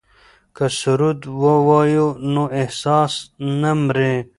که سرود ووایو نو احساس نه مري.